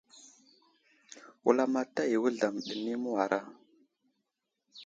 Wulamataya i Wuzlam ɗi anay awara.